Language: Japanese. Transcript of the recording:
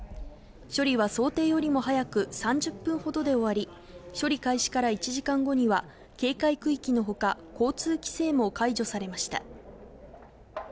処理は想定よりも早く３０分ほどで終わり、処理開始から１時間後には警戒区域のほか、交通規制も解除されました。